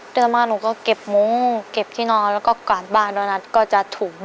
พร้อมค่ะ